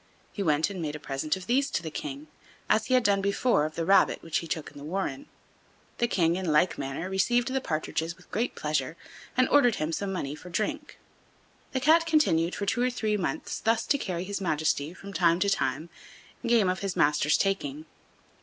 He went and made a present of these to the king, as he had done before of the rabbit which he took in the warren. The king, in like manner, received the partridges with great pleasure, and ordered him some money for drink. The Cat continued for two or three months thus to carry his Majesty, from time to time, game of his master's taking.